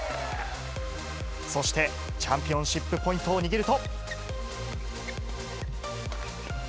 そしてチャンピオンシップポイントを握ると。